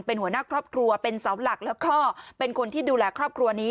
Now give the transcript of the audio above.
เป็นหัวหน้าครอบครัวเป็นเสาหลักแล้วก็เป็นคนที่ดูแลครอบครัวนี้